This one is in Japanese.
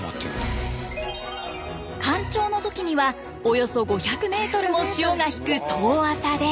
干潮の時にはおよそ５００メートルも潮が引く遠浅で。